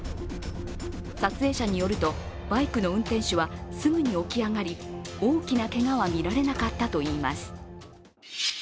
撮影者によるとバイクの運転手はすぐに起き上がり大きなけがは見られなかったといいます。